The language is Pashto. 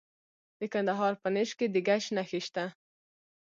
د کندهار په نیش کې د ګچ نښې شته.